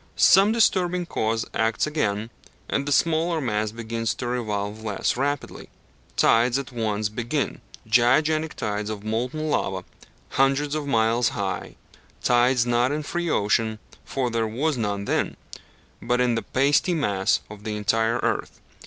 Some disturbing cause acts again, and the smaller mass begins to revolve less rapidly. Tides at once begin gigantic tides of molten lava hundreds of miles high; tides not in free ocean, for there was none then, but in the pasty mass of the entire earth.